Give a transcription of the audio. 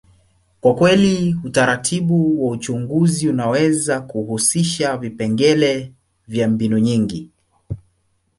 kwa kweli, utaratibu wa uchunguzi unaweza kuhusisha vipengele vya mbinu nyingi.